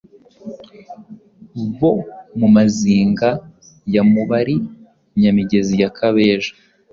bo mu Mazinga ya Mubari, Nyamigezi ya Kabeja.